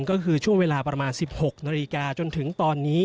ก็คือช่วงเวลาประมาณ๑๖นาฬิกาจนถึงตอนนี้